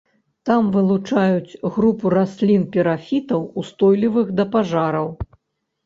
Там вылучаюць групу раслін-пірафітаў, устойлівых да пажараў.